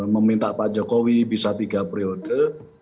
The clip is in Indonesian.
meminta pak jokowi bisa tiga periode